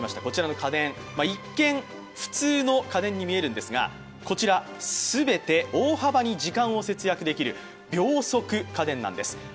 こちらの家電、一見、普通の家電に見えるんですがこちら、全て大幅に時間を節約できる秒速家電なんです。